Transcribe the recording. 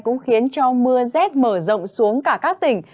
cũng khiến cho mưa rét mở rộng xuống cả các tỉnh